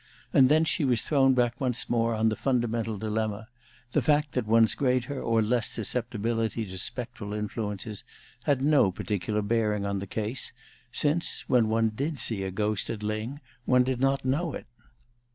And thence she was thrown back once more on the fundamental dilemma: the fact that one's greater or less susceptibility to spectral influences had no particular bearing on the case, since, when one did see a ghost at Lyng, one did not know it.